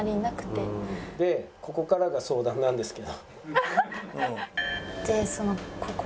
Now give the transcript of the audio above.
「でここからが相談なんですけど」。